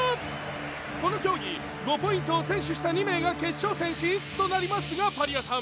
この競技５ポイントを先取した２名が決勝戦進出となりますがパリアさん。